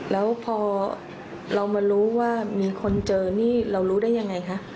แล้วพอเรามารู้ว่ามีคนเจอนี่เรารู้ได้ยังไงคะ